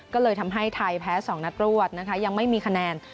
ก็เลยทำให้ไทยแพ้๒นัดรวดนะคะยังไม่มีคะแนน